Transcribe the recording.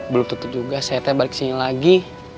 belum tutup juga saya tebalik sini lagi